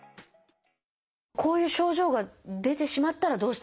こういう症状が出てしまったらどうしたらいいですか？